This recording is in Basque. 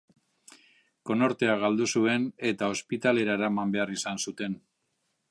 Konortea galdu zuen eta ospitalera eraman behar izan zuten.